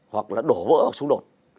hoặc là đổ vỡ hoặc xung đột